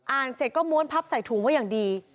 เสร็จก็ม้วนพับใส่ถุงไว้อย่างดี